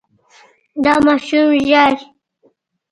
دا ماشوم ژاړي.